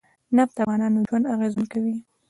نفت د افغانانو ژوند اغېزمن کوي.